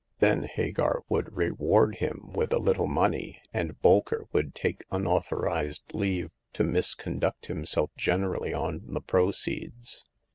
Then Hagar would reward him with a little money and Bolker would take unauthorized leave to misconduct himself generally on the proceeds.